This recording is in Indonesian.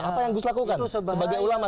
apa yang gus lakukan sebagai ulama